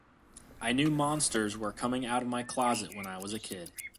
I knew monsters were coming out of my closet when I was a kid.